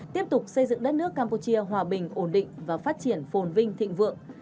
tiếp tục xây dựng đất nước campuchia hòa bình ổn định và phát triển phồn vinh thịnh vượng